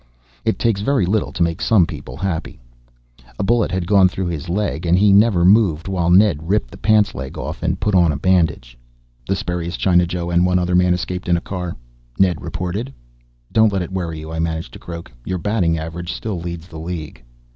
It takes very little to make some people happy. A bullet had gone through his leg and he never moved while Ned ripped the pants leg off and put on a bandage. "The spurious China Joe and one other man escaped in a car," Ned reported. "Don't let it worry you," I managed to croak. "Your batting average still leads the league."